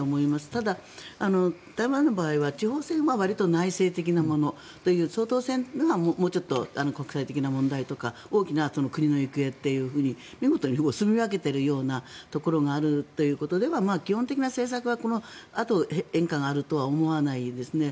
ただ、台湾の場合は地方選はわりと内政的なもの総統選はもうちょっと国際的な問題とか大きな国の行方というふうに見事にすみ分けているようなところがあるということでは基本的な政策はこのあと、変化があるとは思わないですね。